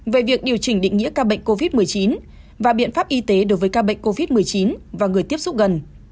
về việc điều chỉnh định nghĩa ca bệnh covid một mươi chín và biện pháp y tế đối với ca bệnh covid một mươi chín và người tiếp xúc gần